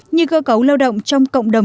như cơ cấu lao động trong cộng đồng